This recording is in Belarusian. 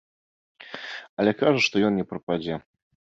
Але кажа, што ён не прападзе.